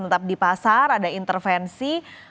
tetap di pasar ada intervensi